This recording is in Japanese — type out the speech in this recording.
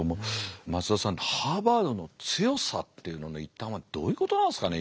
松田さんハーバードの強さっていうのの一端はどういうことなんですかね